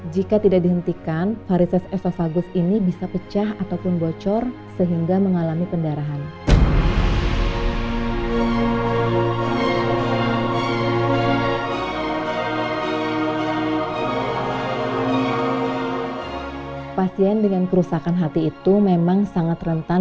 jika tidak dihentikan varices esophagus ini bisa pecah ataupun bocor sehingga mengalami pendarahan